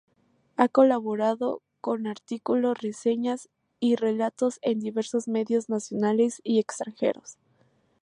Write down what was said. Ha colaborado con artículos, reseñas y relatos en diversos medios nacionales y extranjeros.